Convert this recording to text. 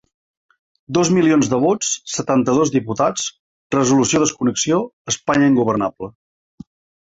Dos milions de vots, setanta-dos diputats, resolució desconnexió, Espanya ingovernable.